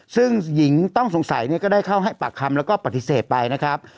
ซึ่งหญิงต้องสงสัยเนี่ยก็ได้เข้าให้ปากคำแล้วก็ปฏิเสธไปนะครับ